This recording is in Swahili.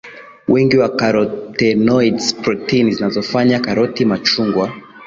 wingi wa carotenoids protini zinazofanya karoti machungwa